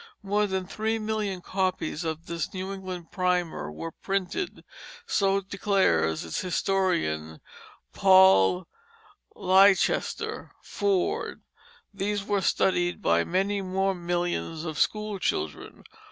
More than three million copies of this New England Primer were printed, so declares its historian, Paul Leicester Ford. These were studied by many more millions of school children.